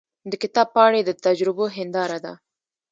د کتاب پاڼې د تجربو هنداره ده.